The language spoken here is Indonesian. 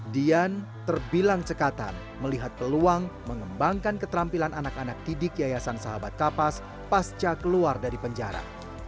dan terbilang cekatan melihat peluang mengembangkan keterampilan anak anak didik yayasan sahabat kapas pasca keluar dari penjara